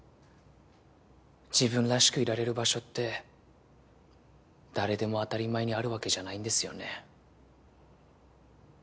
自分らしくいられる場所って誰でも当たり前にあるわけじゃないんですよね。